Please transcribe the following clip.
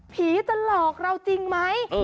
จะหลอกเราจริงไหม